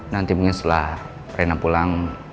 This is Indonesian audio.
nanti mungkin setelah rena pulang